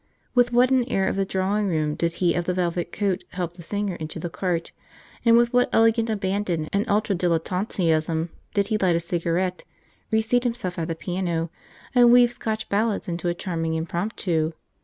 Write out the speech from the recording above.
With what an air of the drawing room did he of the velvet coat help the singer into the cart, and with what elegant abandon and ultra dilettantism did he light a cigarette, reseat himself at the piano, and weave Scots ballads into a charming impromptu!